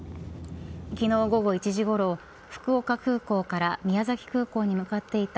昨日午後１時ごろ福岡空港から宮崎空港に向かっていた